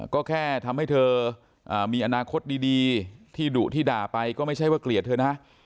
ก็แค่ทำให้เธอมีอนาคตดีที่ดุที่ด่าไปก็ไม่ใช่ว่าเกลียดเธอนะ